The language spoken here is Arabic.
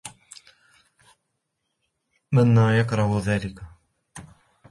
منّا يكره ذلك.